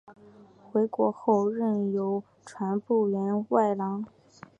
回国后任邮传部员外郎。